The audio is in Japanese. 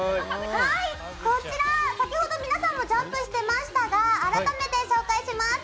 こちら、先ほど皆さんもジャンプしていましたが改めて紹介します。